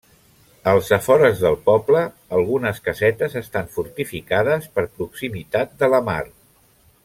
Als afores del poble, algunes casetes estan fortificades per proximitat de la mar.